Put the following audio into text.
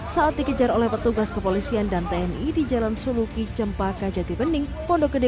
saat dikejar oleh petugas kepolisian dan tni di jalan suluki cempaka jati bening pondok gede